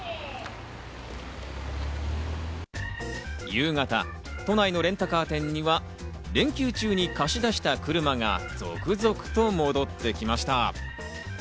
夕方、都内のレンタカー店には、連休中に貸し出した車が続々と戻ってきました。